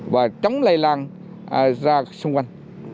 và chống lây lan ra xung quanh